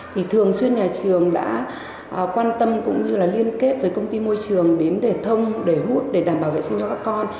thì thường xuyên nhà trường đã quan tâm cũng như là liên kết với công ty môi trường đến để thông để hút để đảm bảo vệ sinh cho các con